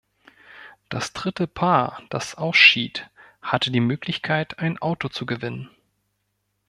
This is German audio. Das dritte Paar, das ausschied, hatte die Möglichkeit, ein Auto zu gewinnen.